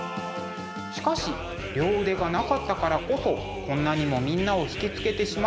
しかし両腕がなかったからこそこんなにもみんなを引き付けてしまうのかなとも思えてきます。